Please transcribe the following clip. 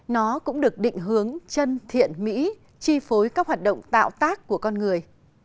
nó cũng được định hướng chân thiện mỹ chi phối các hoạt động tạo tác của con người